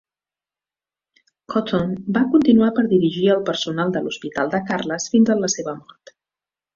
Cotton va continuar per dirigir el personal de l'Hospital de Carles fins a la seva mort.